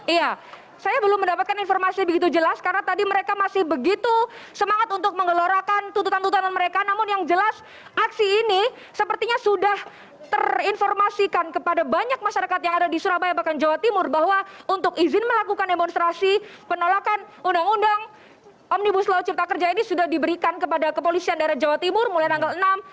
iya saya belum mendapatkan informasi begitu jelas karena tadi mereka masih begitu semangat untuk menggelorakan tututan tutan mereka namun yang jelas aksi ini sepertinya sudah terinformasikan kepada banyak masyarakat yang ada di surabaya bahkan jawa timur bahwa untuk izin melakukan demonstrasi penolakan undang undang amnibus law cipta kerja ini sudah diberikan kepada kepolisian daerah jawa timur mulai tanggal enam